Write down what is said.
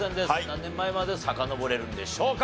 何年前までさかのぼれるんでしょうか？